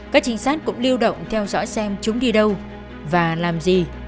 các trinh sát cũng lưu động theo dõi xem chúng đi đâu và làm gì